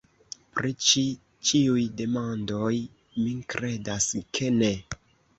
Pri ĉi ĉiuj demandoj, mi kredas ke ne.